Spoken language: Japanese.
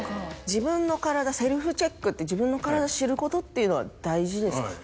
自分の体セルフチェックって自分の体知ることっていうのは大事ですか？